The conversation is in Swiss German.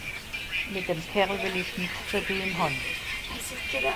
Mìt dem Kerl wìll ìch nìx ze schàffe hàn.